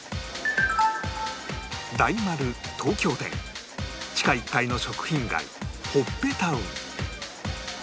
大丸東京店地下１階の食品街ほっぺタウン